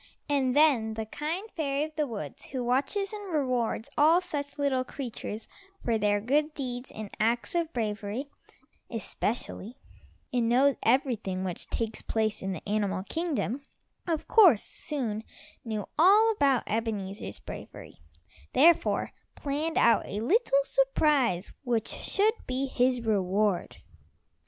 And then the kind fairy of the woods, who watches and rewards all such little creatures for their good deeds and acts of bravery, especially, and knows everything which takes place in the animal kingdom, of course soon knew all about Ebenezer's bravery, therefore planned out a little surprise which should be his reward.